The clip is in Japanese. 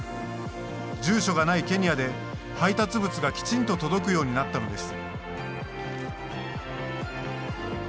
住所がないケニアで配達物がきちんと届くようになったのです。